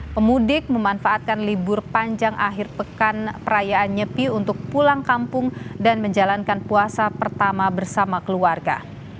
pemudik memanfaatkan libur panjang akhir pekan perayaan nyepi untuk pulang kampung dan menjalankan puasa pertama bersama keluarga